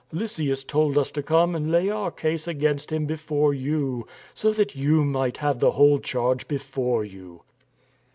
Lysias told us to come and lay our case against him before you, so that you might have the whole charge before you."